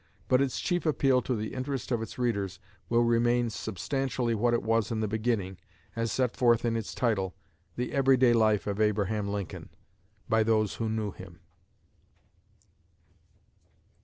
But its chief appeal to the interest of its readers will remain substantially what it was in the beginning, as set forth in its title, "The Every day Life of Abraham Lincoln, by Those Who Knew Him."